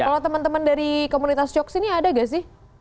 kalau teman teman dari komunitas shock ini ada gak sih